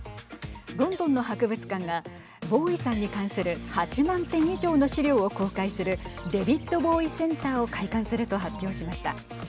ロンドンの博物館がボウイさんに関する８万点以上の資料を公開するデビッド・ボウイ・センターを開館すると発表しました。